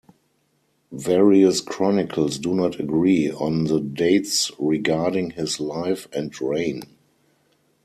Various chronicles do not agree on the dates regarding his life and reign.